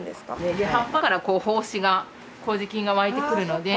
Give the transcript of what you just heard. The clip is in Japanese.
葉っぱから胞子が麹菌が湧いてくるので。